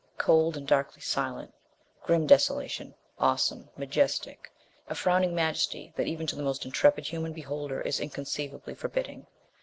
Cold and darkly silent. Grim desolation. Awesome. Majestic. A frowning majesty that even to the most intrepid human beholder is inconceivably forbidding.